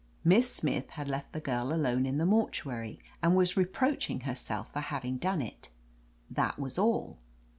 Miss Smith had left the girl alone in the mortuary, and was reproaching herself for having done it. That was all.